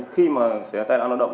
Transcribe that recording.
khi mà sẽ tai nạn lao động